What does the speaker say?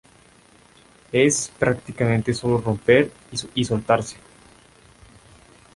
Es prácticamente sólo romper y soltarse.